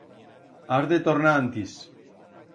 Has de tornar antis.